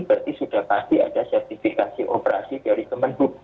berarti sudah pasti ada sertifikasi operasi dari kemenhub